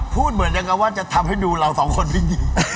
พูดเหมือนกันว่าจะทำให้ดูเรา๒คนดี